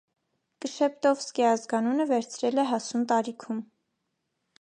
«Կշեպտովսկի» ազգանունը վերցրել է հասուն տարիքում։